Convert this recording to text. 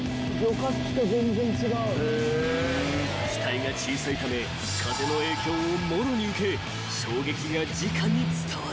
［機体が小さいため風の影響をもろに受け衝撃がじかに伝わる］